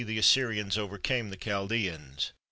the Assyrians overcame the Chaldaeans.